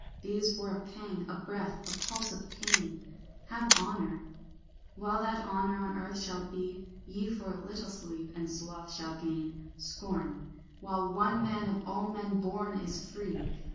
These for a pang, a breath, a pulse of pain, Have honour, while that honour on earth shall be: Ye for a little sleep and sloth shall gain Scorn, while one man of all men born is free.